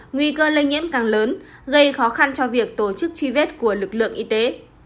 nguy cơ lây nhiễm càng lớn gây khó khăn cho việc tổ chức truy vết của lực lượng y tế